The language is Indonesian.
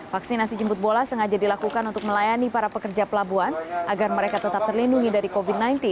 vaksinasi jemput bola sengaja dilakukan untuk melayani para pekerja pelabuhan agar mereka tetap terlindungi dari covid sembilan belas